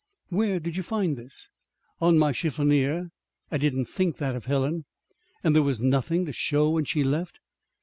"Where did you find this?" "On my chiffonier. I didn't think that of Helen." "And there was nothing to show when she left?"